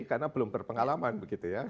karena belum berpengalaman begitu ya